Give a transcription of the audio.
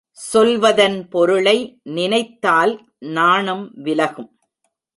சொல்வதன் பொருளை நினைத்தால் நாணம் விலகும்.